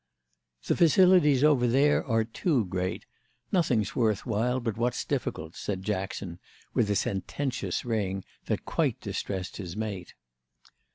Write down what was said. "The facilities over there are too great. Nothing's worth while but what's difficult," said Jackson with a sententious ring that quite distressed his mate.